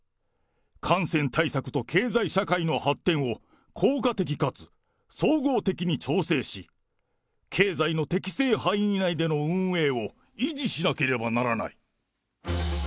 感染対策と経済社会の発展を効果的かつ総合的に調整し、経済の適正範囲内での運営を維持しなければならない。